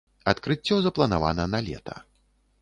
Адкрыццё запланавана на лета.